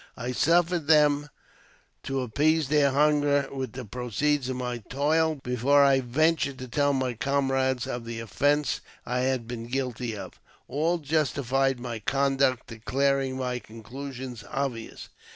I suffered them to appease their hunger with the proceeds of my toil before I ventured to tell my comrades of the offence I had been guilty of. All justified my conduct, declaring my conclusions obvious.